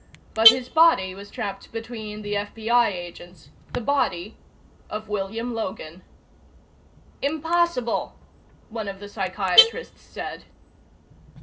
But his body was trapped between the FBI agents: the body of William Logan. "Impossible," one of the psychiatrists said.